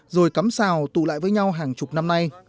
rồi cắm xào tụ lại với nhau hàng chục năm nay